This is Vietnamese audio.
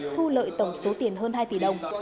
thu lợi tổng số tiền hơn hai tỷ đồng